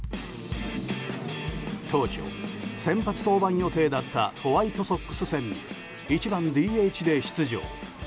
当初、先発登板予定だったホワイトソックス戦に１番ＤＨで出場。